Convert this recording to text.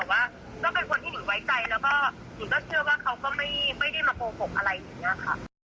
แรกแรกแรกแรกแรกแรกแรกแรกแรก